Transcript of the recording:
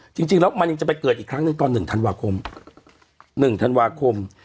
จริงแล้วมันยังจะไปเกิดอีกครั้งตอน๑ธันวาคม